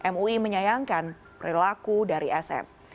mui menyayangkan perilaku dari sm